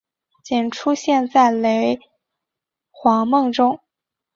仅出现在雷凰梦中。